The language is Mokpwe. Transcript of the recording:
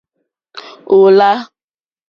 Ò lâ.